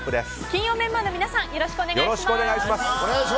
金曜メンバーの皆さんよろしくお願いします。